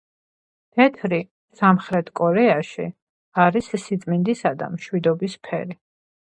თეთრი სამხრეთ კორეაში არის სიწმინდისა და მშვიდობის ფერი.